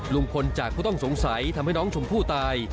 ลุงพลจากผู้ต้องสงสัยทำให้น้องชมพู่ตาย